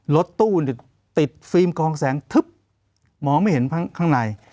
รถตู้ติดฟิล์มกองแสงทึบมองไม่เห็นข้างใน